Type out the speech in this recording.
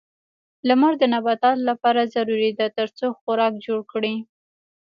لمر د نباتاتو لپاره ضروري ده ترڅو خوراک جوړ کړي.